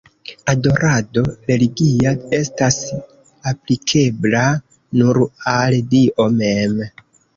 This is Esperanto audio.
Adorado religia estas aplikebla nur al Dio mem.